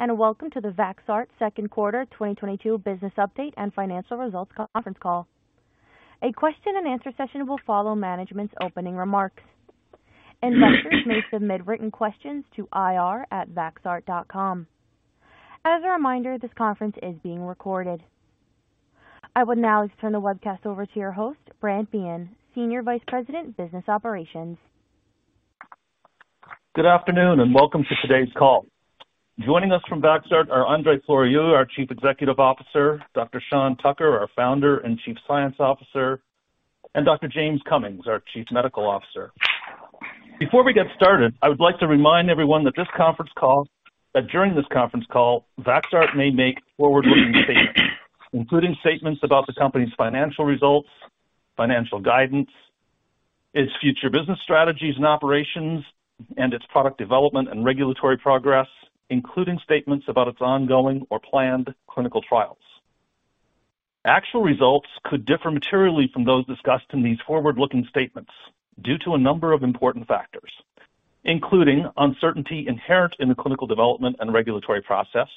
Greetings, and welcome to the Vaxart second quarter 2022 business update and financial results conference call. A question and answer session will follow management's opening remarks. Investors may submit written questions to ir@vaxart.com. As a reminder, this conference is being recorded. I would now like to turn the webcast over to your host, Brant Biehn, Senior Vice President, Business Operations. Good afternoon, and welcome to today's call. Joining us from Vaxart are Andrei Floroiu, our Chief Executive Officer, Dr. Sean Tucker, our Founder and Chief Science Officer, and Dr. James Cummings, our Chief Medical Officer. Before we get started, I would like to remind everyone that during this conference call, Vaxart may make forward-looking statements, including statements about the company's financial results, financial guidance, its future business strategies and operations, and its product development and regulatory progress, including statements about its ongoing or planned clinical trials. Actual results could differ materially from those discussed in these forward-looking statements due to a number of important factors, including uncertainty inherent in the clinical development and regulatory process,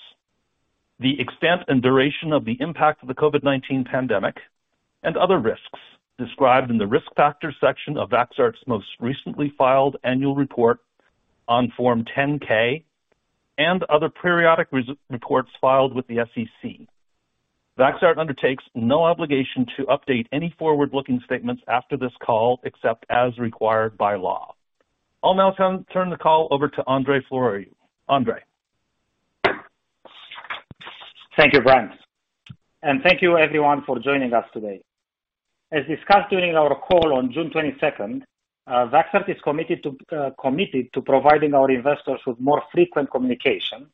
the extent and duration of the impact of the COVID-19 pandemic, and other risks described in the Risk Factors section of Vaxart's most recently filed annual report on Form 10-K, and other periodic reports filed with the SEC. Vaxart undertakes no obligation to update any forward-looking statements after this call, except as required by law. I'll now turn the call over to Andrei Floroiu. Thank you, Brant. Thank you everyone for joining us today. As discussed during our call on June 22nd, Vaxart is committed to providing our investors with more frequent communication,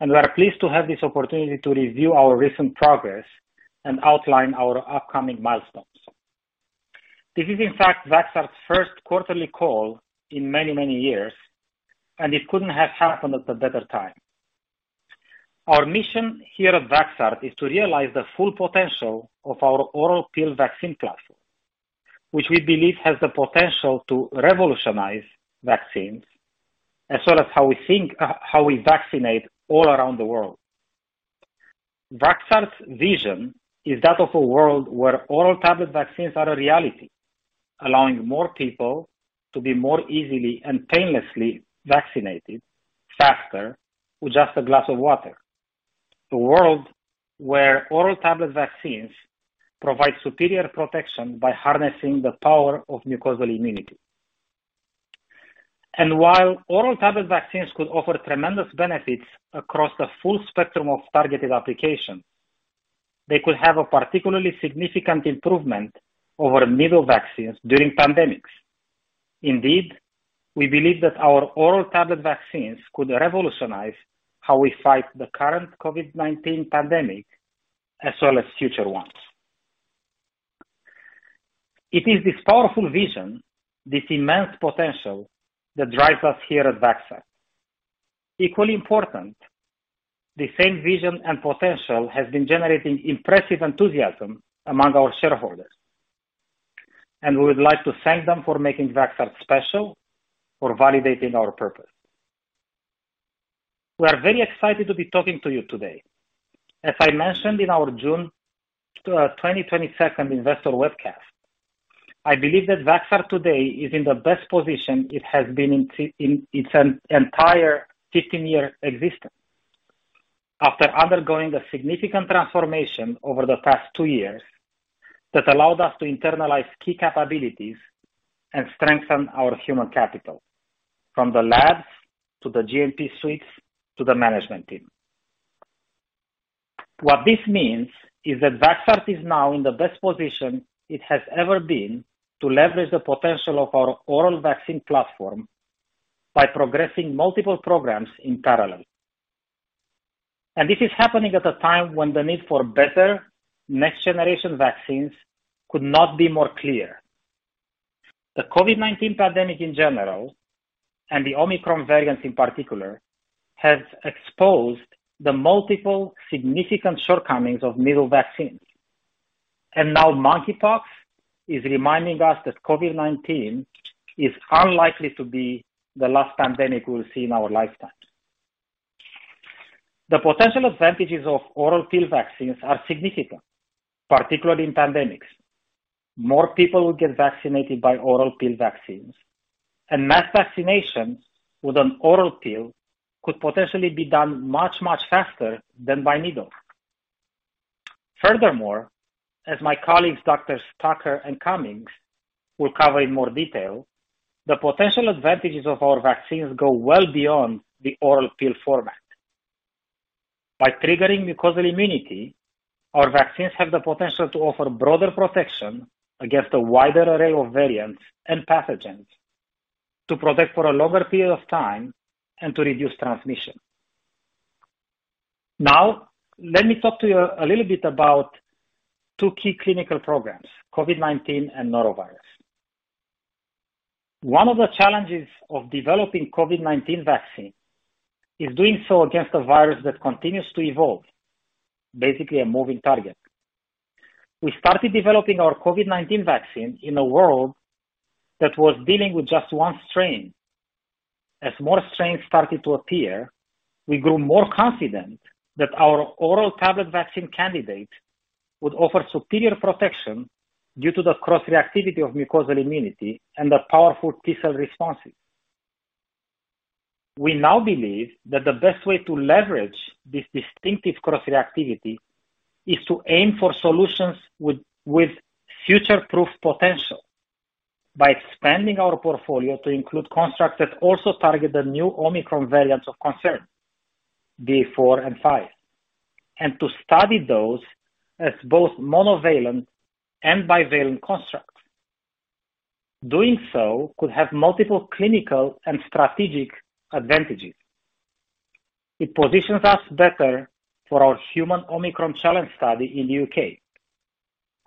and we are pleased to have this opportunity to review our recent progress and outline our upcoming milestones. This is in fact Vaxart's first quarterly call in many, many years, and it couldn't have happened at a better time. Our mission here at Vaxart is to realize the full potential of our oral pill vaccine platform, which we believe has the potential to revolutionize vaccines, as well as how we think, how we vaccinate all around the world. Vaxart's vision is that of a world where oral tablet vaccines are a reality, allowing more people to be more easily and painlessly vaccinated faster with just a glass of water. The world where oral tablet vaccines provide superior protection by harnessing the power of mucosal immunity. While oral tablet vaccines could offer tremendous benefits across the full spectrum of targeted applications, they could have a particularly significant improvement over needle vaccines during pandemics. Indeed, we believe that our oral tablet vaccines could revolutionize how we fight the current COVID-19 pandemic, as well as future ones. It is this powerful vision, this immense potential, that drives us here at Vaxart. Equally important, the same vision and potential has been generating impressive enthusiasm among our shareholders, and we would like to thank them for making Vaxart special for validating our purpose. We are very excited to be talking to you today. As I mentioned in our June 2022 investor webcast, I believe that Vaxart today is in the best position it has been in its entire 15-year existence. After undergoing a significant transformation over the past 2 years that allowed us to internalize key capabilities and strengthen our human capital, from the labs, to the GMP suites to the management team. What this means is that Vaxart is now in the best position it has ever been to leverage the potential of our oral vaccine platform by progressing multiple programs in parallel. This is happening at a time when the need for better next generation vaccines could not be more clear. The COVID-19 pandemic in general, and the Omicron variant in particular, has exposed the multiple significant shortcomings of needle vaccines. Now monkeypox is reminding us that COVID-19 is unlikely to be the last pandemic we'll see in our lifetime. The potential advantages of oral pill vaccines are significant, particularly in pandemics. More people will get vaccinated by oral pill vaccines, and mass vaccinations with an oral pill could potentially be done much, much faster than by needle. Furthermore, as my colleagues Doctors Tucker and Cummings will cover in more detail, the potential advantages of oral vaccines go well beyond the oral pill format. By triggering mucosal immunity, our vaccines have the potential to offer broader protection against a wider array of variants and pathogens to protect for a longer period of time and to reduce transmission. Now, let me talk to you a little bit about two key clinical programs, COVID-19 and norovirus. One of the challenges of developing COVID-19 vaccine is doing so against a virus that continues to evolve, basically a moving target. We started developing our COVID-19 vaccine in a world that was dealing with just one strain. As more strains started to appear, we grew more confident that our oral tablet vaccine candidate would offer superior protection due to the cross-reactivity of mucosal immunity and the powerful T-cell responses. We now believe that the best way to leverage this distinctive cross-reactivity is to aim for solutions with future-proof potential by expanding our portfolio to include constructs that also target the new Omicron variants of concern, BA.4 and BA.5, and to study those as both monovalent and bivalent constructs. Doing so could have multiple clinical and strategic advantages. It positions us better for our human Omicron challenge study in the U.K.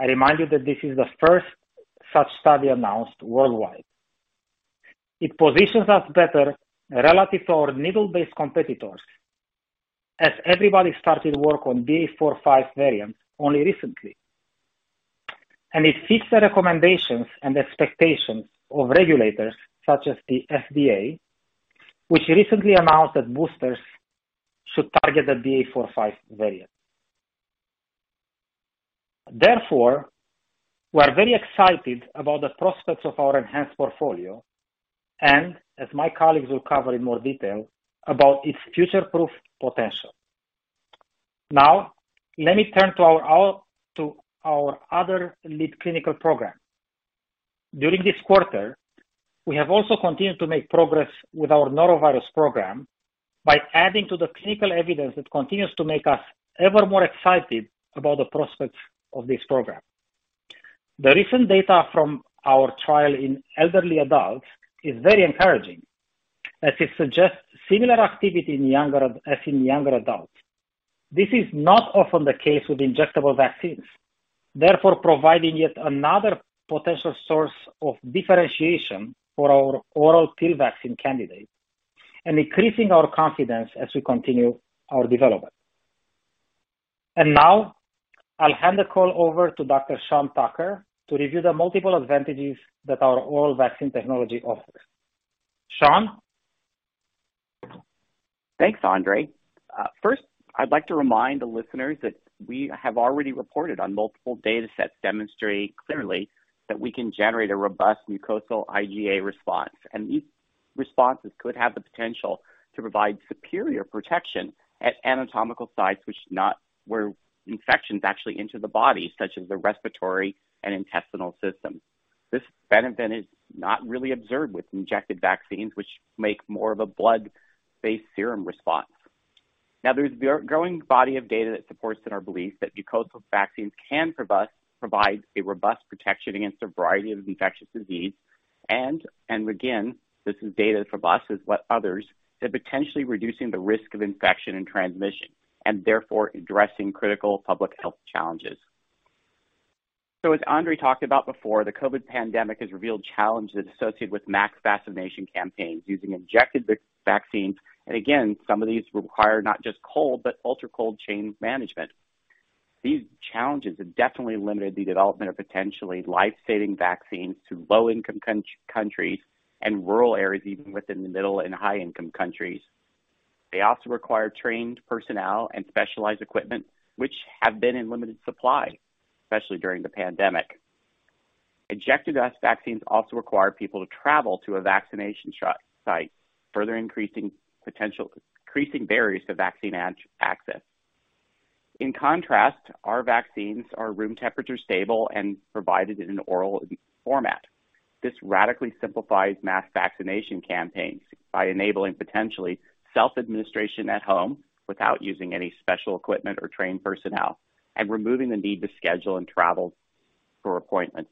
I remind you that this is the first such study announced worldwide. It positions us better relative to our needle-based competitors as everybody started work on BA.4-5 variants only recently. It fits the recommendations and expectations of regulators such as the FDA, which recently announced that boosters should target the BA.4-5 variant. Therefore, we are very excited about the prospects of our enhanced portfolio and, as my colleagues will cover in more detail, about its future-proof potential. Now let me turn to our other lead clinical program. During this quarter, we have also continued to make progress with our norovirus program by adding to the clinical evidence that continues to make us ever more excited about the prospects of this program. The recent data from our trial in elderly adults is very encouraging as it suggests similar activity as in younger adults. This is not often the case with injectable vaccines, therefore providing yet another potential source of differentiation for our oral pill vaccine candidate and increasing our confidence as we continue our development. Now I'll hand the call over to Dr. Sean Tucker to review the multiple advantages that our oral vaccine technology offers. Sean? Thanks, Andrei. First, I'd like to remind the listeners that we have already reported on multiple datasets demonstrate clearly that we can generate a robust mucosal IgA response. These responses could have the potential to provide superior protection at anatomical sites which not where infections actually enter the body, such as the respiratory and intestinal systems. This benefit is not really observed with injected vaccines, which make more of a blood-based serum response. Now, there's a growing body of data that supports our belief that mucosal vaccines can provide a robust protection against a variety of infectious diseases. Again, this is data from us as well as others, that potentially reducing the risk of infection and transmission and therefore addressing critical public health challenges. As Andrei talked about before, the COVID pandemic has revealed challenges associated with mass vaccination campaigns using injected vaccines. Some of these require not just cold, but ultra-cold chain management. These challenges have definitely limited the development of potentially life-saving vaccines to low-income countries and rural areas, even within the middle and high-income countries. They also require trained personnel and specialized equipment, which have been in limited supply, especially during the pandemic. Injected vaccines also require people to travel to a vaccination site, further increasing barriers to vaccine access. In contrast, our vaccines are room temperature stable and provided in an oral format. This radically simplifies mass vaccination campaigns by enabling potentially self-administration at home without using any special equipment or trained personnel and removing the need to schedule and travel for appointments.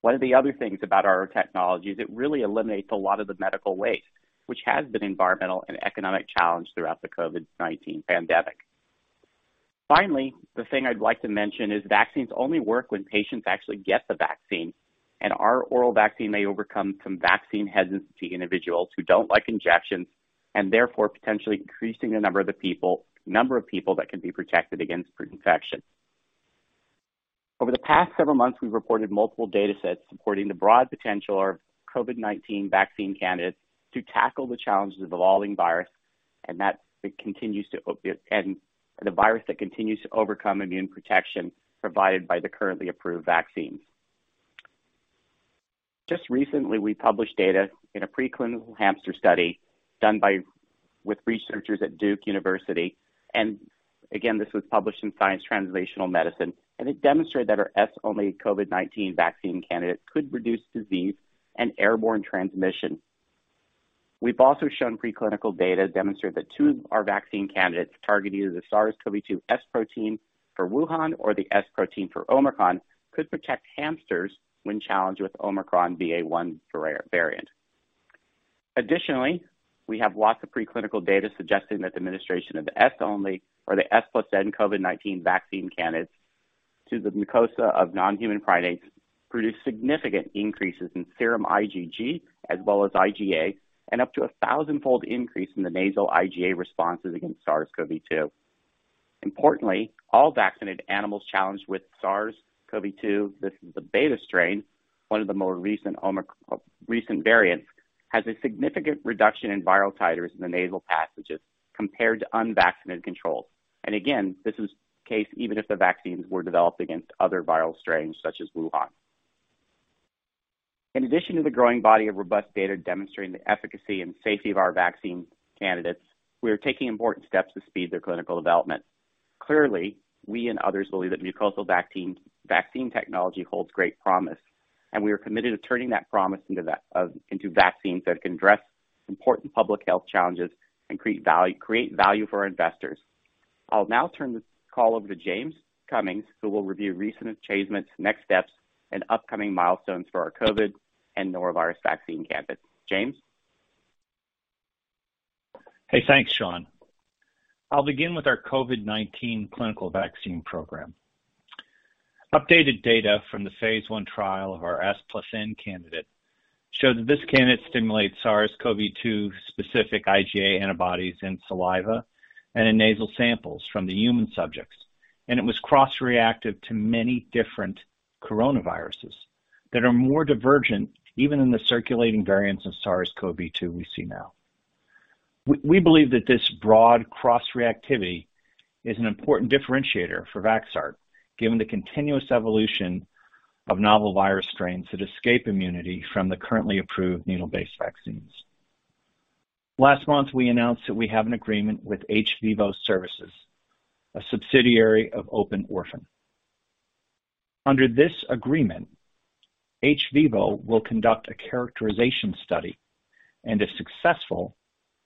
One of the other things about our technology is it really eliminates a lot of the medical waste, which has been environmental and economic challenge throughout the COVID-19 pandemic. Finally, the thing I'd like to mention is vaccines only work when patients actually get the vaccine, and our oral vaccine may overcome some vaccine hesitancy individuals who don't like injections and therefore potentially increasing the number of people that can be protected against infection. Over the past several months, we've reported multiple datasets supporting the broad potential of our COVID-19 vaccine candidates to tackle the challenges of evolving virus and that it continues to and the virus that continues to overcome immune protection provided by the currently approved vaccines. Just recently, we published data in a preclinical hamster study done with researchers at Duke University. Again, this was published in Science Translational Medicine. It demonstrated that our S-only COVID-19 vaccine candidate could reduce disease and airborne transmission. We've also shown preclinical data demonstrate that two of our vaccine candidates target either the SARS-CoV-2 S protein for Wuhan or the S protein for Omicron could protect hamsters when challenged with Omicron BA.1 variant. Additionally, we have lots of preclinical data suggesting that the administration of the S only or the S+N COVID-19 vaccine candidates to the mucosa of non-human primates produce significant increases in serum IgG as well as IgA, and up to a thousand-fold increase in the nasal IgA responses against SARS-CoV-2. Importantly, all vaccinated animals challenged with SARS-CoV-2, this is the beta strain, one of the more recent Omicron, recent variants, have a significant reduction in viral titers in the nasal passages compared to unvaccinated controls. Again, this is the case even if the vaccines were developed against other viral strains such as Wuhan. In addition to the growing body of robust data demonstrating the efficacy and safety of our vaccine candidates, we are taking important steps to speed their clinical development. Clearly, we and others believe that mucosal vaccine technology holds great promise, and we are committed to turning that promise into vaccines that can address important public health challenges and create value for our investors. I'll now turn this call over to James Cummings, who will review recent achievements, next steps, and upcoming milestones for our COVID and norovirus vaccine candidates. James? Hey, thanks, Sean. I'll begin with our COVID-19 clinical vaccine program. Updated data from the phase I trial of our S+N candidate showed that this candidate stimulates SARS-CoV-2 specific IgA antibodies in saliva and in nasal samples from the human subjects, and it was cross-reactive to many different coronaviruses that are more divergent even in the circulating variants of SARS-CoV-2 we see now. We believe that this broad cross-reactivity is an important differentiator for Vaxart, given the continuous evolution of novel virus strains that escape immunity from the currently approved needle-based vaccines. Last month, we announced that we have an agreement with hVIVO, a subsidiary of Open Orphan. Under this agreement, hVIVO will conduct a characterization study, and if successful,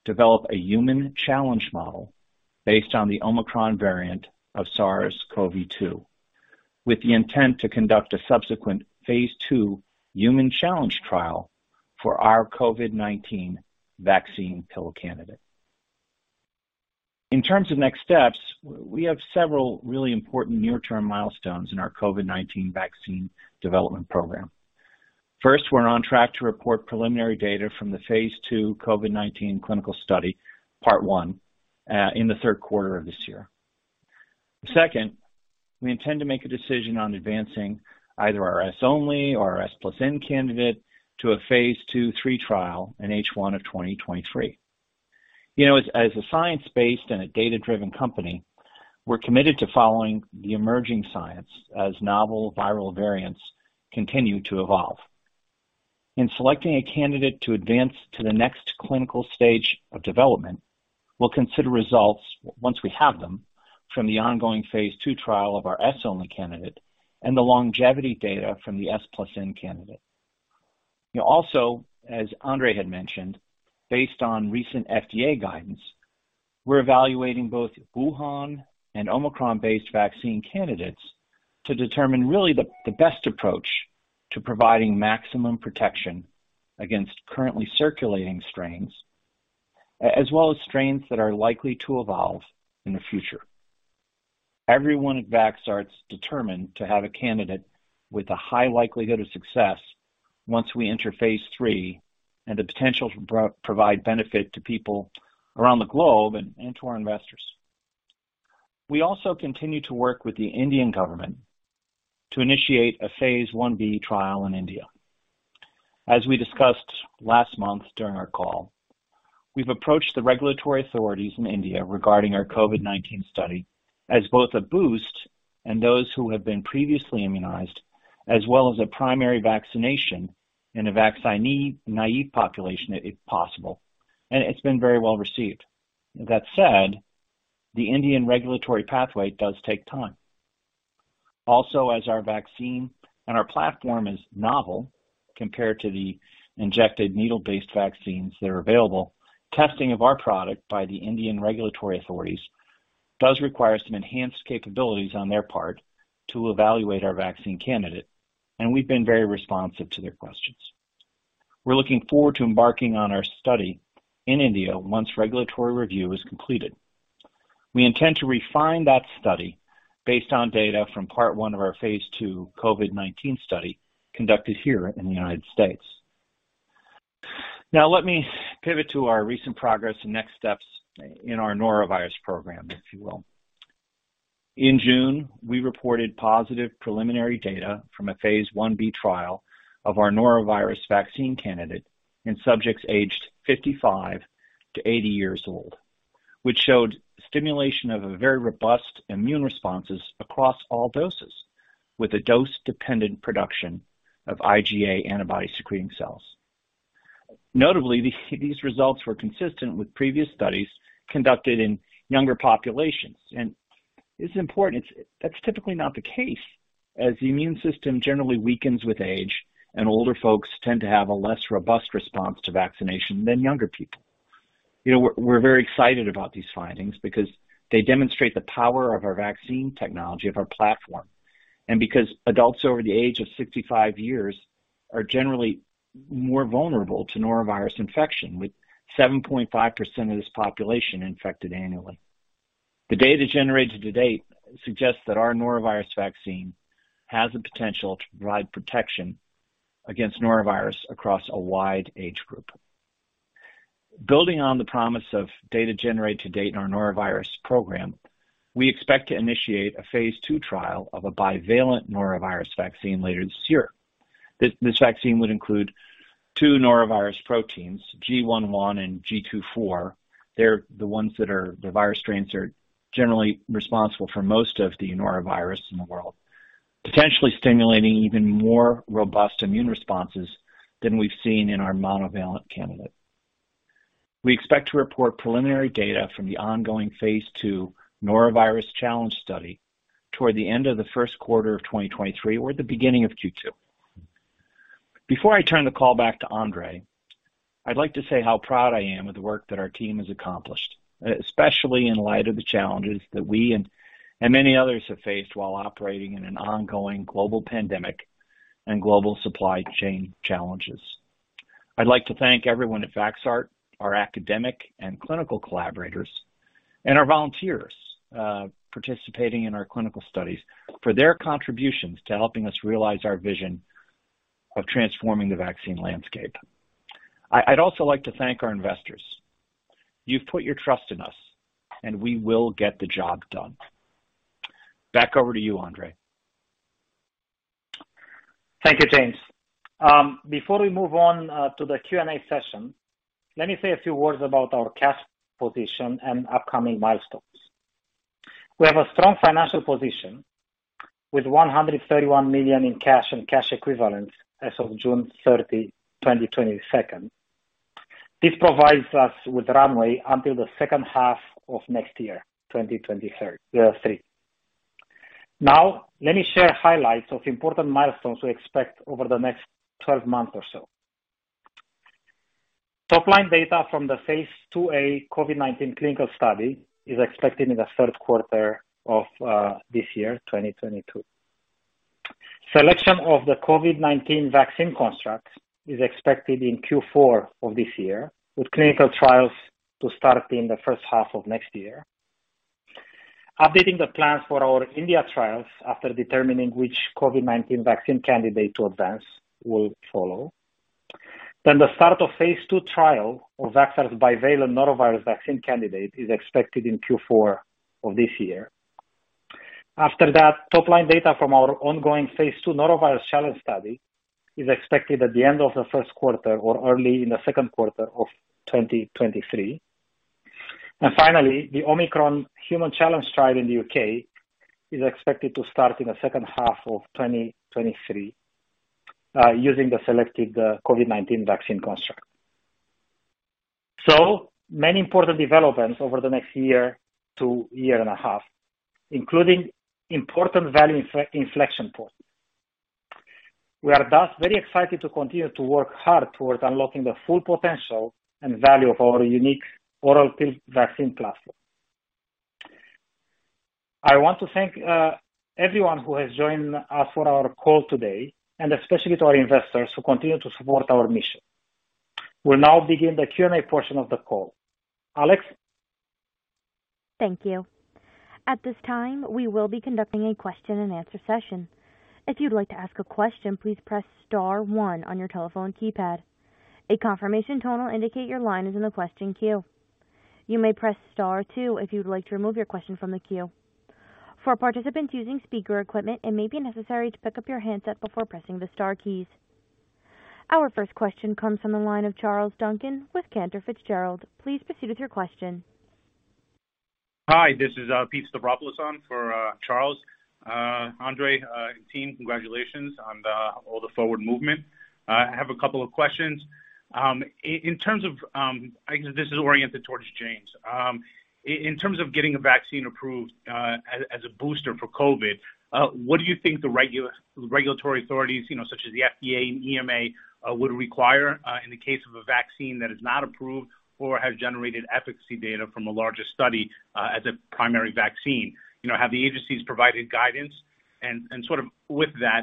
develop a human challenge model based on the Omicron variant of SARS-CoV-2, with the intent to conduct a subsequent phase two human challenge trial for our COVID-19 vaccine pill candidate. In terms of next steps, we have several really important near-term milestones in our COVID-19 vaccine development program. First, we're on track to report preliminary data from the phase two COVID-19 clinical study part one in the third quarter of this year. Second, we intend to make a decision on advancing either our S only or our S+N candidate to a phase two/three trial in H1 of 2023. You know, as a science-based and a data-driven company, we're committed to following the emerging science as novel viral variants continue to evolve. In selecting a candidate to advance to the next clinical stage of development, we'll consider results, once we have them, from the ongoing phase II trial of our S-only candidate and the longevity data from the S+N candidate. You know, also, as Andrei Floroiu had mentioned, based on recent FDA guidance, we're evaluating both Wuhan and Omicron-based vaccine candidates to determine really the best approach to providing maximum protection against currently circulating strains as well as strains that are likely to evolve in the future. Everyone at Vaxart's determined to have a candidate with a high likelihood of success once we enter phase III and the potential to provide benefit to people around the globe and to our investors. We also continue to work with the Indian government to initiate a phase Ib trial in India. As we discussed last month during our call, we've approached the regulatory authorities in India regarding our COVID-19 study as both a boost and those who have been previously immunized, as well as a primary vaccination in a vaccine naïve population if possible, and it's been very well received. With that said, the Indian regulatory pathway does take time. Also, as our vaccine and our platform is novel compared to the injected needle-based vaccines that are available, testing of our product by the Indian regulatory authorities does require some enhanced capabilities on their part to evaluate our vaccine candidate, and we've been very responsive to their questions. We're looking forward to embarking on our study in India once regulatory review is completed. We intend to refine that study based on data from part 1 of our phase II COVID-19 study conducted here in the United States. Now let me pivot to our recent progress and next steps in our norovirus program, if you will. In June, we reported positive preliminary data from a phase Ib trial of our norovirus vaccine candidate in subjects aged 55-80 years old, which showed stimulation of a very robust immune responses across all doses with a dose-dependent production of IgA antibody-secreting cells. Notably, these results were consistent with previous studies conducted in younger populations, and this is important. That's typically not the case, as the immune system generally weakens with age and older folks tend to have a less robust response to vaccination than younger people. You know, we're very excited about these findings because they demonstrate the power of our vaccine technology of our platform, and because adults over the age of 65 years are generally more vulnerable to norovirus infection, with 7.5% of this population infected annually. The data generated to date suggests that our norovirus vaccine has the potential to provide protection against norovirus across a wide age group. Building on the promise of data generated to date in our norovirus program, we expect to initiate a phase II trial of a bivalent norovirus vaccine later this year. This vaccine would include two norovirus proteins, GI.1 and GII.4. They're the ones that the virus strains are generally responsible for most of the norovirus in the world, potentially stimulating even more robust immune responses than we've seen in our monovalent candidate. We expect to report preliminary data from the ongoing phase II norovirus challenge study toward the end of the first quarter of 2023 or the beginning of Q2. Before I turn the call back to Andrei, I'd like to say how proud I am of the work that our team has accomplished, especially in light of the challenges that we and many others have faced while operating in an ongoing global pandemic and global supply chain challenges. I'd like to thank everyone at Vaxart, our academic and clinical collaborators, and our volunteers participating in our clinical studies for their contributions to helping us realize our vision of transforming the vaccine landscape. I'd also like to thank our investors. You've put your trust in us, and we will get the job done. Back over to you, Andrei. Thank you, James. Before we move on to the Q&A session, let me say a few words about our cash position and upcoming milestones. We have a strong financial position with $131 million in cash and cash equivalents as of June 30, 2022. This provides us with runway until the second half of next year, 2023. Now let me share highlights of important milestones we expect over the next twelve months or so. Top-line data from the phase IIa COVID-19 clinical study is expected in the third quarter of this year, 2022. Selection of the COVID-19 vaccine construct is expected in Q4 of this year, with clinical trials to start in the first half of next year. Updating the plans for our India trials after determining which COVID-19 vaccine candidate to advance will follow. The start of phase II trial of Vaxart's bivalent norovirus vaccine candidate is expected in Q4 of this year. After that top line data from our ongoing phase II norovirus challenge study is expected at the end of the first quarter or early in the second quarter of 2023. Finally, the Omicron Human Challenge trial in the U.K. is expected to start in the second half of 2023, using the selected COVID-19 vaccine construct. Many important developments over the next year to year and a half, including important value inflection points. We are thus very excited to continue to work hard towards unlocking the full potential and value of our unique oral pill vaccine platform. I want to thank everyone who has joined us for our call today, and especially to our investors who continue to support our mission. We'll now begin the Q&A portion of the call. Alex? Thank you. At this time, we will be conducting a question-and-answer session. If you'd like to ask a question, please press star one on your telephone keypad. A confirmation tone will indicate your line is in the question queue. You may press star two if you'd like to remove your question from the queue. For participants using speaker equipment, it may be necessary to pick up your handset before pressing the star keys. Our first question comes from the line of Charles Duncan with Cantor Fitzgerald. Please proceed with your question. Hi, this is Pete Stavropoulos on for Charles. Andrei and team, congratulations on all the forward movement. I have a couple of questions. In terms of, I guess this is oriented towards James. In terms of getting a vaccine approved as a booster for COVID, what do you think the regulatory authorities, you know, such as the FDA and EMA, would require in the case of a vaccine that is not approved or has generated efficacy data from a larger study as a primary vaccine? You know, have the agencies provided guidance? Sort of with that,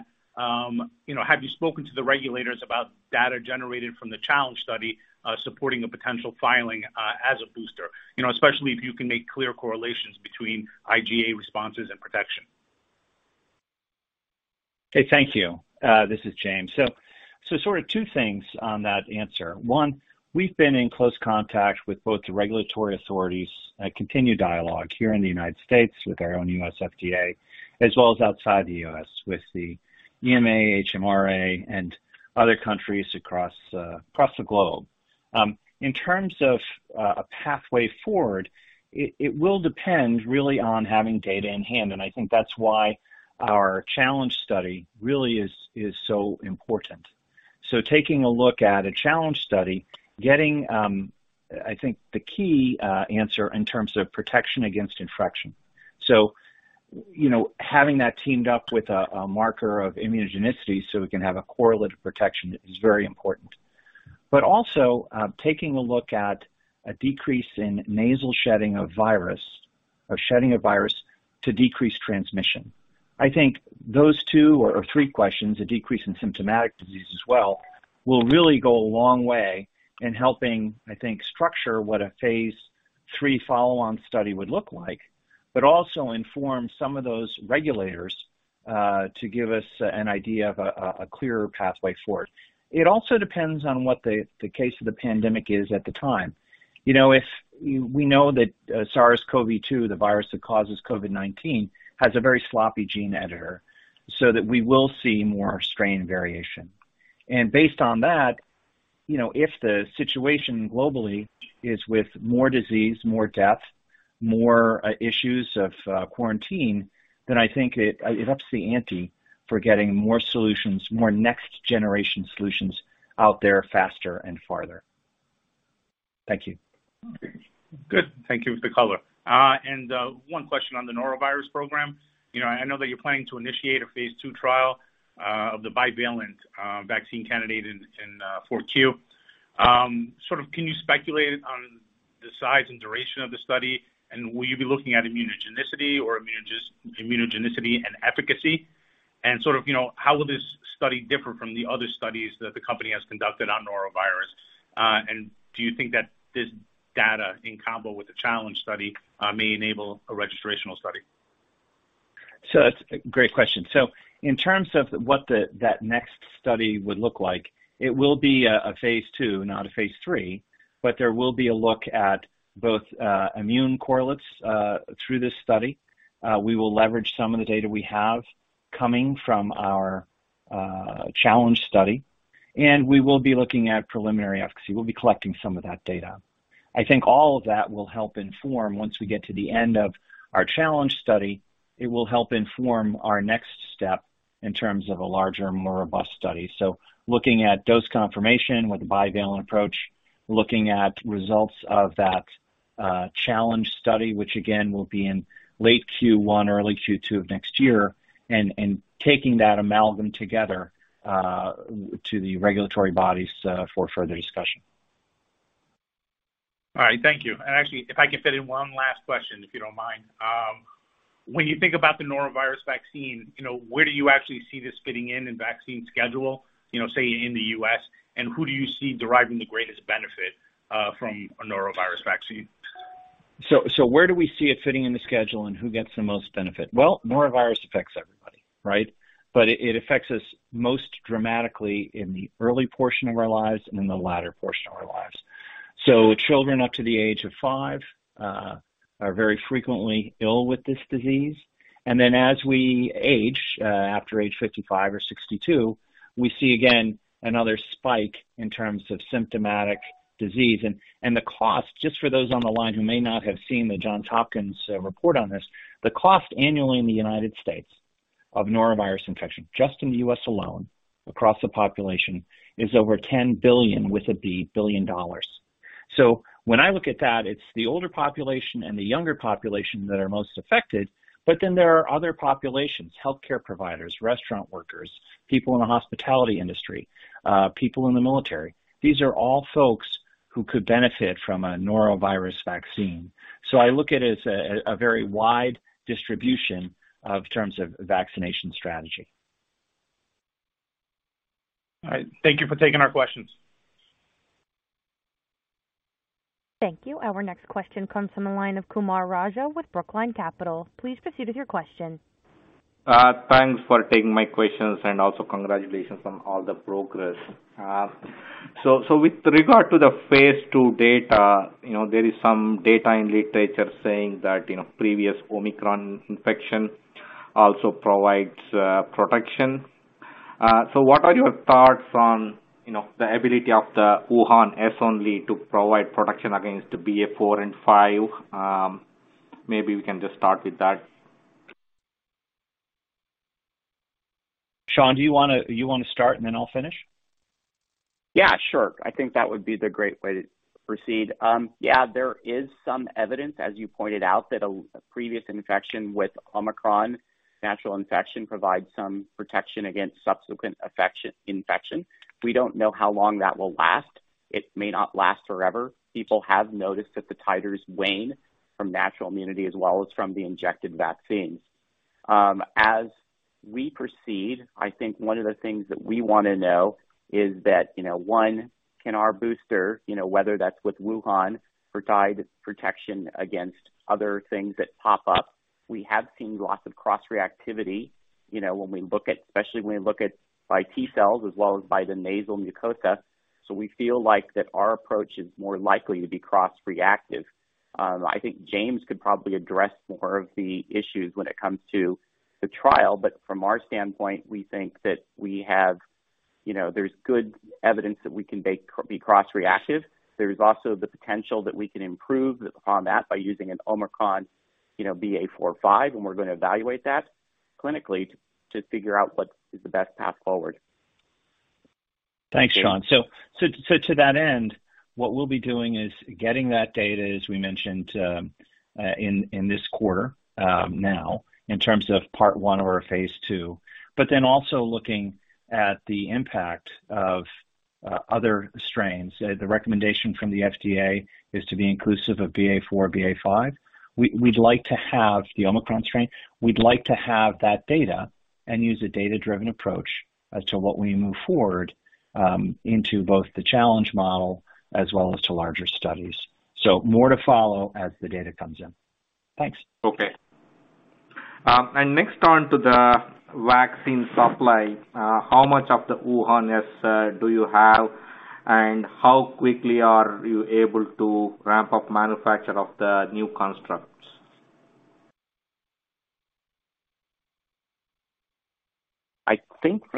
you know, have you spoken to the regulators about data generated from the challenge study supporting the potential filing as a booster? You know, especially if you can make clear correlations between IgA responses and protection. Okay, thank you. This is James. Sort of two things on that answer. One, we've been in close contact with both the regulatory authorities, a continued dialogue here in the United States with our own US FDA, as well as outside the U.S. with the EMA, MHRA, and other countries across the globe. In terms of a pathway forward, it will depend really on having data in hand, and I think that's why our challenge study really is so important. Taking a look at a challenge study, getting I think the key answer in terms of protection against infection. You know, having that teamed up with a marker of immunogenicity so we can have a correlative protection is very important. Also, taking a look at a decrease in nasal shedding of virus or shedding of virus to decrease transmission. I think those two or three questions, a decrease in symptomatic disease as well, will really go a long way in helping, I think, structure what a phase three follow-on study would look like, but also inform some of those regulators to give us an idea of a clearer pathway forward. It also depends on what the case of the pandemic is at the time. You know, if we know that SARS-CoV-2, the virus that causes COVID-19, has a very sloppy gene editor so that we will see more strain variation. Based on that, you know, if the situation globally is with more disease, more death, more issues of quarantine, then I think it ups the ante for getting more solutions, more next-generation solutions out there faster and farther. Thank you. Okay. Good. Thank you for the color. One question on the norovirus program. You know, I know that you're planning to initiate a phase two trial of the bivalent vaccine candidate in Q4. Sort of can you speculate on the size and duration of the study? And will you be looking at immunogenicity and efficacy? And sort of, you know, how will this study differ from the other studies that the company has conducted on norovirus? Do you think that this data in combo with the challenge study may enable a registrational study? That's a great question. In terms of what that next study would look like, it will be a phase two, not a phase three, but there will be a look at both immune correlates through this study. We will leverage some of the data we have coming from our challenge study, and we will be looking at preliminary efficacy. We'll be collecting some of that data. I think all of that will help inform, once we get to the end of our challenge study, it will help inform our next step in terms of a larger and more robust study. Looking at dose confirmation with a bivalent approach, looking at results of that challenge study, which again will be in late Q1, early Q2 of next year, and taking that amalgam together to the regulatory bodies for further discussion. All right. Thank you. Actually, if I could fit in one last question, if you don't mind. When you think about the norovirus vaccine, you know, where do you actually see this fitting in vaccine schedule, you know, say, in the U.S.? Who do you see deriving the greatest benefit from a norovirus vaccine? Where do we see it fitting in the schedule and who gets the most benefit? Well, norovirus affects everybody, right? It affects us most dramatically in the early portion of our lives and in the latter portion of our lives. Children up to the age of five are very frequently ill with this disease. Then as we age, after age 55 or 62, we see again another spike in terms of symptomatic disease. The cost, just for those on the line who may not have seen the Johns Hopkins report on this, annually in the United States of norovirus infection, just in the U.S. alone, across the population, is over $10 billion. When I look at that, it's the older population and the younger population that are most affected, but then there are other populations, healthcare providers, restaurant workers, people in the hospitality industry, people in the military. These are all folks who could benefit from a norovirus vaccine. I look at it as a very wide distribution in terms of vaccination strategy. All right. Thank you for taking our questions. Thank you. Our next question comes from the line of Kumar Raja with Brookline Capital. Please proceed with your question. Thanks for taking my questions, and also congratulations on all the progress. So with regard to the phase II data, you know, there is some data in literature saying that, you know, previous Omicron infection also provides protection. So what are your thoughts on, you know, the ability of the Wuhan S-only to provide protection against the BA.4 and BA.5? Maybe we can just start with that. Sean, do you wanna start and then I'll finish? Yeah, sure. I think that would be the great way to proceed. Yeah, there is some evidence, as you pointed out, that a previous infection with Omicron natural infection provides some protection against subsequent infection. We don't know how long that will last. It may not last forever. People have noticed that the titers wane from natural immunity as well as from the injected vaccines. As we proceed, I think one of the things that we wanna know is that, you know, one, can our booster, you know, whether that's with Wuhan, provide protection against other things that pop up. We have seen lots of cross-reactivity, you know, when we look at, especially when we look at B and T cells as well as by the nasal mucosa. We feel like that our approach is more likely to be cross-reactive. I think James could probably address more of the issues when it comes to the trial, but from our standpoint, we think that we have, you know, there's good evidence that we can make cross-reactive. There's also the potential that we can improve upon that by using an Omicron, you know, BA.4 or BA.5, and we're gonna evaluate that clinically to figure out what is the best path forward. Thanks, Sean. To that end, what we'll be doing is getting that data, as we mentioned, in this quarter, now, in terms of part one or phase two, but then also looking at the impact of other strains. The recommendation from the FDA is to be inclusive of BA.4, BA.5. We'd like to have the Omicron strain. We'd like to have that data and use a data-driven approach as to what we move forward into both the challenge model as well as to larger studies. More to follow as the data comes in. Thanks. Okay. Next on to the vaccine supply. How much of the Wuhan S do you have, and how quickly are you able to ramp up manufacture of the new constructs?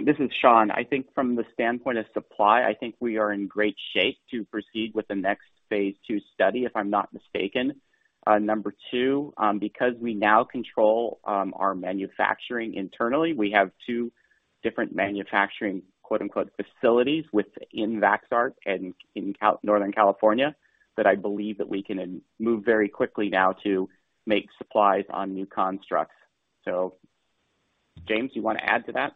This is Sean. I think from the standpoint of supply, I think we are in great shape to proceed with the next phase two study, if I'm not mistaken. Because we now control our manufacturing internally, we have two different manufacturing, quote-unquote, "facilities" within Vaxart and in Northern California that I believe that we can move very quickly now to make supplies on new constructs. James, you wanna add to that?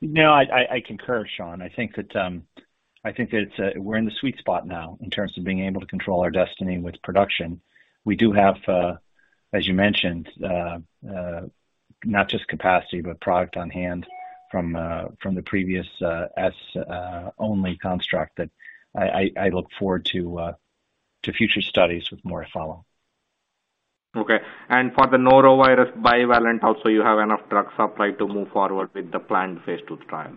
No, I concur, Sean. I think that it's, we're in the sweet spot now in terms of being able to control our destiny with production. We do have, as you mentioned, not just capacity, but product on hand from the previous S-only construct that I look forward to future studies with more to follow. Okay. For the norovirus bivalent also, you have enough drug supply to move forward with the planned phase II trial.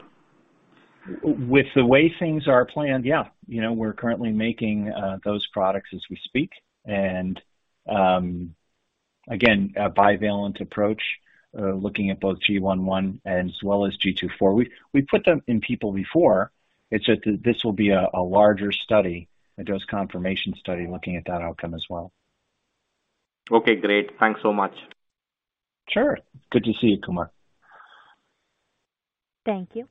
With the way things are planned, yeah. You know, we're currently making those products as we speak. Again, a bivalent approach, looking at both GI.1 as well as GII.4. We put them in people before. It's just that this will be a larger study, a dose confirmation study, looking at that outcome as well. Okay, great. Thanks so much. Sure. Good to see you, Kumar. Thank you.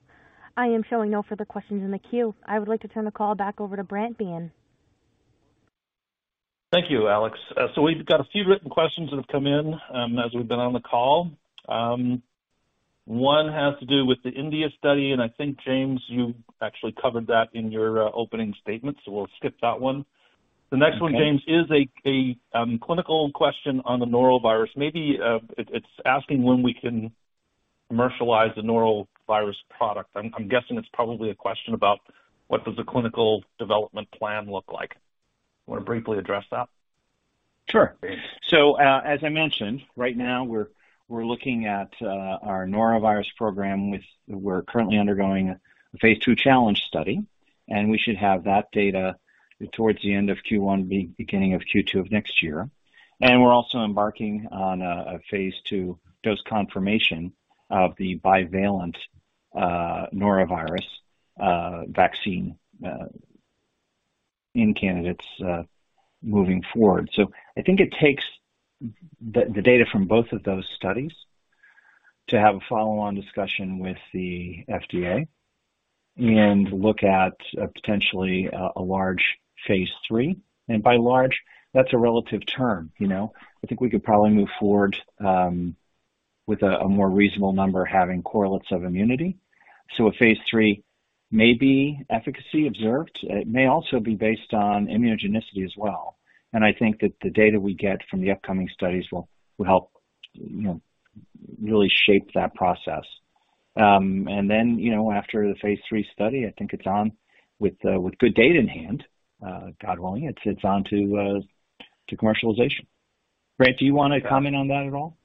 I am showing no further questions in the queue. I would like to turn the call back over to Brant Biehn. Thank you, Alex. We've got a few written questions that have come in, as we've been on the call. One has to do with the India study, and I think, James, you actually covered that in your opening statement, so we'll skip that one. Okay. The next one, James, is a clinical question on the norovirus. Maybe it's asking when we can commercialize the norovirus product. I'm guessing it's probably a question about what does the clinical development plan look like. Want to briefly address that? Sure. As I mentioned, right now we're looking at our norovirus program. We're currently undergoing a phase II challenge study, and we should have that data towards the end of Q1, beginning of Q2 of next year. We're also embarking on a phase II dose confirmation of the bivalent norovirus vaccine candidates moving forward. I think it takes the data from both of those studies to have a follow-on discussion with the FDA and look at potentially a large phase III. By large, that's a relative term, you know. I think we could probably move forward with a more reasonable number having correlates of immunity. A phase III may be efficacy observed. It may also be based on immunogenicity as well. I think that the data we get from the upcoming studies will help, you know, really shape that process. Then, you know, after the phase three study, I think it's on with good data in hand. God willing, it's on to commercialization. Brant, do you wanna comment on that at all?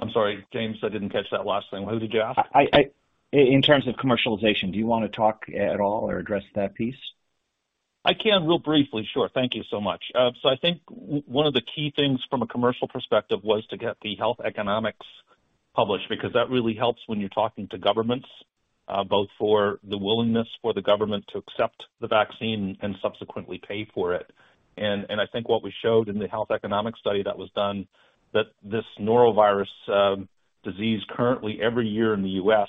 I'm sorry, James, I didn't catch that last thing. What did you ask? In terms of commercialization, do you wanna talk at all or address that piece? I can really briefly. Sure. Thank you so much. I think one of the key things from a commercial perspective was to get the health economics published, because that really helps when you're talking to governments, both for the willingness for the government to accept the vaccine and subsequently pay for it. I think what we showed in the health economic study that was done, that this norovirus disease currently every year in the U.S.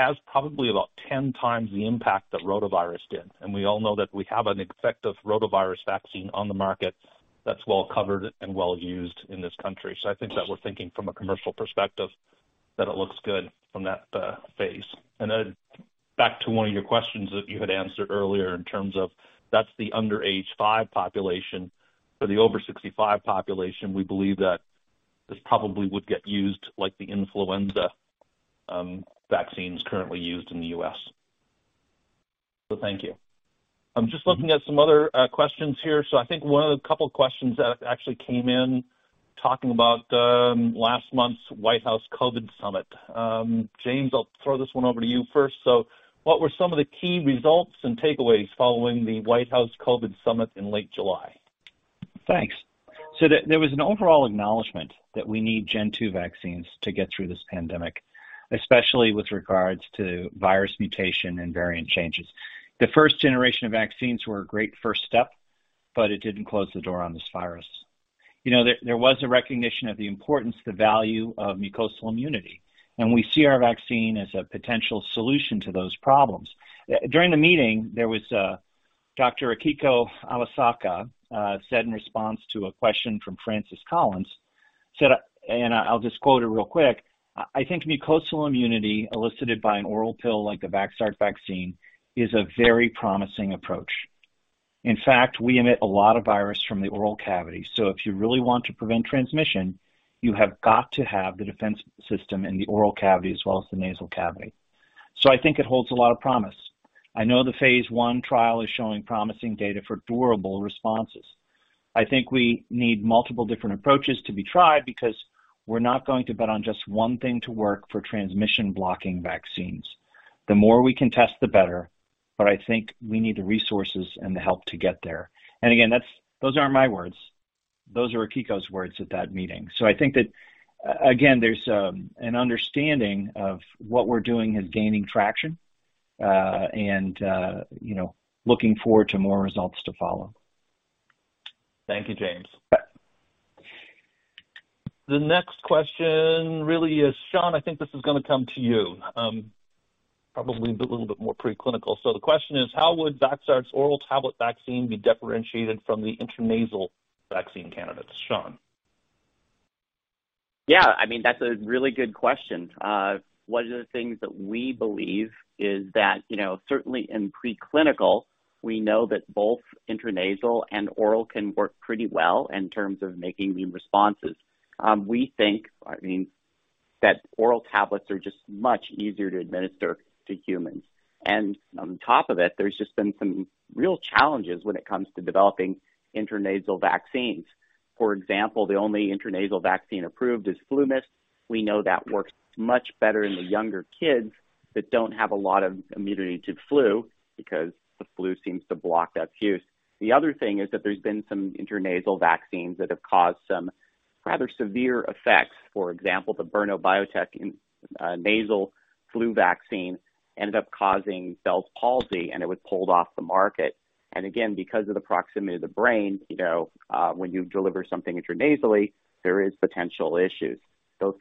has probably about 10 times the impact that rotavirus did. We all know that we have an effective rotavirus vaccine on the market that's well covered and well used in this country. I think that we're thinking from a commercial perspective that it looks good from that phase. Back to one of your questions that you had answered earlier in terms of that's the under age 5 population. For the over 65 population, we believe that this probably would get used like the influenza vaccines currently used in the U.S. Thank you. I'm just looking at some other questions here. I think one of the couple questions that actually came in talking about last month's White House COVID Summit. James, I'll throw this one over to you first. What were some of the key results and takeaways following the White House COVID Summit in late July? Thanks. There was an overall acknowledgement that we need gen two vaccines to get through this pandemic, especially with regards to virus mutation and variant changes. The first generation of vaccines were a great first step, but it didn't close the door on this virus. There was a recognition of the importance, the value of mucosal immunity, and we see our vaccine as a potential solution to those problems. During the meeting, Dr. Akiko Iwasaki said in response to a question from Francis Collins, and I'll just quote her real quick. "I think mucosal immunity elicited by an oral pill like the Vaxart vaccine is a very promising approach. In fact, we emit a lot of virus from the oral cavity, so if you really want to prevent transmission, you have got to have the defense system in the oral cavity as well as the nasal cavity. I think it holds a lot of promise. I know phase I trial is showing promising data for durable responses. I think we need multiple different approaches to be tried because we're not going to bet on just one thing to work for transmission-blocking vaccines. The more we can test, the better, but I think we need the resources and the help to get there." Again, that's, those aren't my words. Those are Akiko's words at that meeting. I think that again, there's an understanding of what we're doing is gaining traction, and you know, looking forward to more results to follow. Thank you, James. The next question really is, Sean, I think this is gonna come to you, probably a little bit more preclinical. The question is, how would Vaxart's oral tablet vaccine be differentiated from the intranasal vaccine candidates? Sean? Yeah, I mean, that's a really good question. One of the things that we believe is that, you know, certainly in preclinical, we know that both intranasal and oral can work pretty well in terms of making immune responses. We think, I mean, that oral tablets are just much easier to administer to humans. On top of it, there's just been some real challenges when it comes to developing intranasal vaccines. For example, the only intranasal vaccine approved is FluMist. We know that works much better in the younger kids that don't have a lot of immunity to flu because the flu seems to block that mucosa. The other thing is that there's been some intranasal vaccines that have caused some rather severe effects. For example, the Berna Biotech nasal flu vaccine ended up causing Bell's palsy, and it was pulled off the market. Again, because of the proximity of the brain, you know, when you deliver something intranasally, there is potential issues. Those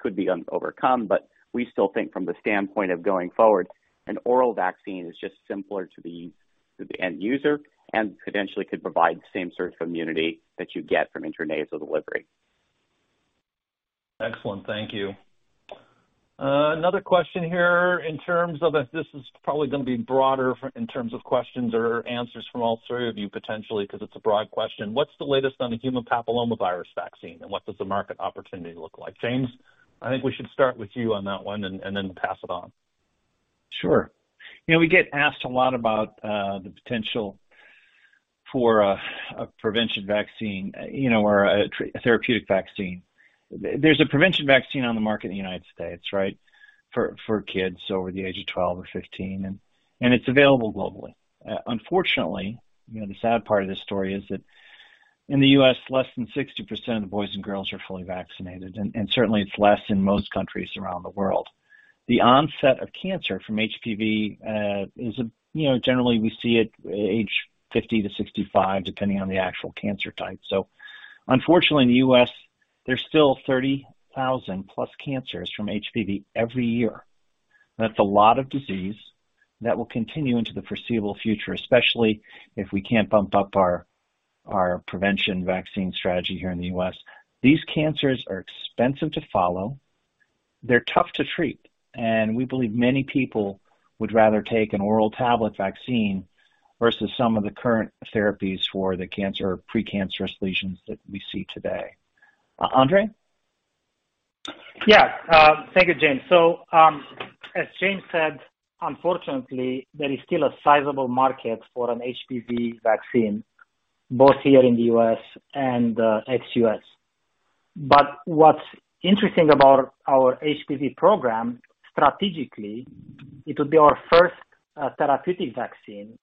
could be overcome, but we still think from the standpoint of going forward, an oral vaccine is just simpler to the end user and potentially could provide the same sort of immunity that you get from intranasal delivery. Excellent. Thank you. Another question here in terms of, this is probably gonna be broader in terms of questions or answers from all three of you potentially because it's a broad question. What's the latest on the human papillomavirus vaccine, and what does the market opportunity look like? James, I think we should start with you on that one and then pass it on. Sure. You know, we get asked a lot about the potential for a prevention vaccine, you know, or a therapeutic vaccine. There's a prevention vaccine on the market in the United States, right? For kids over the age of 12 or 15, and it's available globally. Unfortunately, you know, the sad part of this story is that in the U.S., less than 60% of the boys and girls are fully vaccinated, and certainly it's less in most countries around the world. The onset of cancer from HPV is a, you know, generally we see it age 50 to 65, depending on the actual cancer type. Unfortunately in the U.S., there's still 30,000+ cancers from HPV every year. That's a lot of disease that will continue into the foreseeable future, especially if we can't bump up our prevention vaccine strategy here in the U.S. These cancers are expensive to follow. They're tough to treat. We believe many people would rather take an oral tablet vaccine versus some of the current therapies for the cancer or precancerous lesions that we see today. Andrei? Yeah. Thank you, James. As James said, unfortunately, there is still a sizable market for an HPV vaccine, both here in the U.S. and ex-U.S. What's interesting about our HPV program strategically, it would be our first therapeutic vaccine,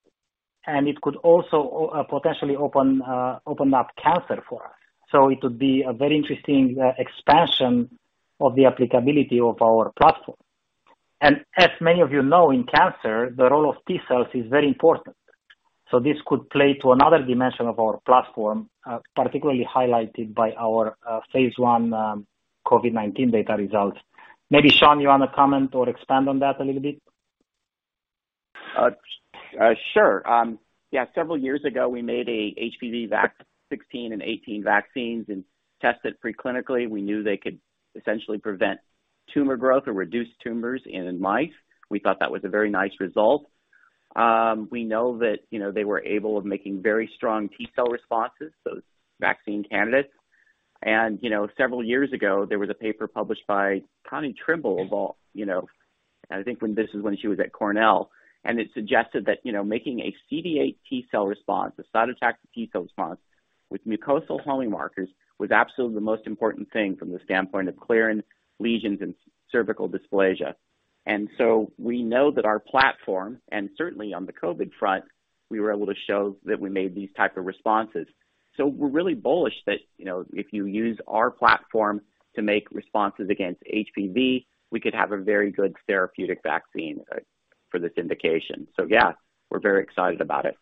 and it could also potentially open up cancer for us. It would be a very interesting expansion of the applicability of our platform. As many of you know, in cancer, the role of T cells is very important. This could play to another dimension of our platform, particularly highlighted by phase I COVID-19 data results. Maybe Sean, you want to comment or expand on that a little bit? Sure. Yeah, several years ago, we made an HPV vaccine 16 and 18 and tested it preclinically. We knew they could essentially prevent tumor growth or reduce tumors in mice. We thought that was a very nice result. We know that, you know, they were able to make very strong T-cell responses, those vaccine candidates. You know, several years ago, there was a paper published by Connie Trimble et al., you know, I think when she was at Cornell, and it suggested that, you know, making a CD8 T-cell response, a cytotoxic T-cell response with mucosal homing markers was absolutely the most important thing from the standpoint of clearing lesions and cervical dysplasia. We know that our platform, and certainly on the COVID front, we were able to show that we made these type of responses. We're really bullish that, you know, if you use our platform to make responses against HPV, we could have a very good therapeutic vaccine for this indication. Yeah, we're very excited about it.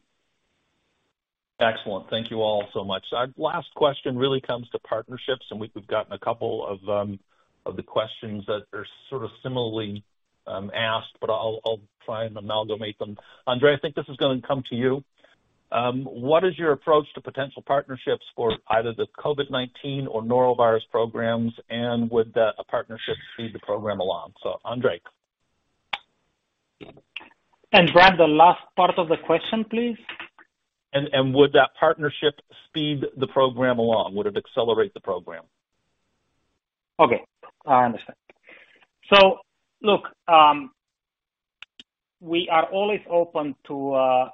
Excellent. Thank you all so much. Our last question really comes to partnerships, and we've gotten a couple of the questions that are sort of similarly asked, but I'll try and amalgamate them. Andrei, I think this is gonna come to you. What is your approach to potential partnerships for either the COVID-19 or norovirus programs? And would that partnership speed the program along? Andrei. Brant Biehn, the last part of the question, please. Would that partnership speed the program along? Would it accelerate the program? Okay, I understand. Look, we are always open to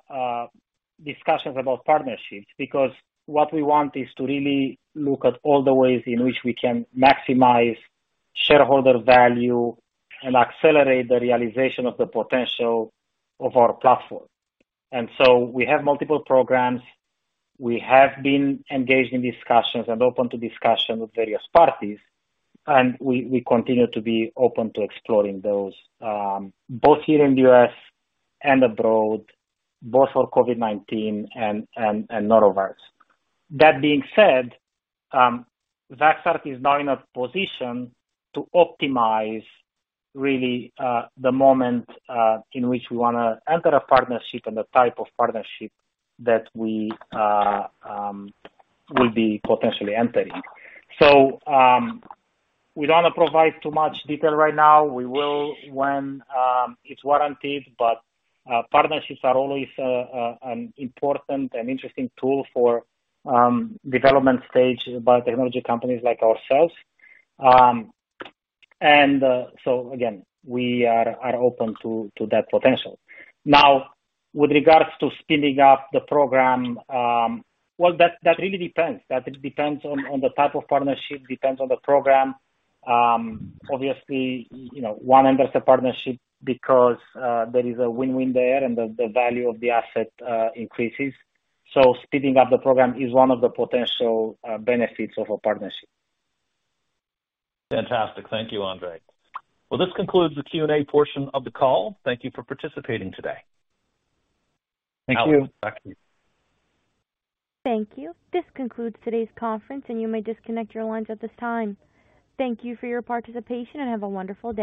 discussions about partnerships because what we want is to really look at all the ways in which we can maximize shareholder value and accelerate the realization of the potential of our platform. We have multiple programs. We have been engaged in discussions and open to discussions with various parties, and we continue to be open to exploring those, both here in the U.S. and abroad, both for COVID-19 and norovirus. That being said, Vaxart is now in a position to optimize really the moment in which we wanna enter a partnership and the type of partnership that we will be potentially entering. We don't want to provide too much detail right now. We will when it's warranted, but partnerships are always an important and interesting tool for development stage biotechnology companies like ourselves. Again, we are open to that potential. Now, with regards to speeding up the program, that really depends. That depends on the type of partnership, depends on the program. Obviously, you know, one enters a partnership because there is a win-win there and the value of the asset increases. Speeding up the program is one of the potential benefits of a partnership. Fantastic. Thank you, Andrei. Well, this concludes the Q&A portion of the call. Thank you for participating today. Thank you. Alex, back to you. Thank you. This concludes today's conference, and you may disconnect your lines at this time. Thank you for your participation, and have a wonderful day.